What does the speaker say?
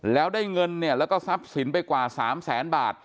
แล้วได้เงินเนี่ยแล้วก็ทรัพย์สินไปกว่า๓แสนบาท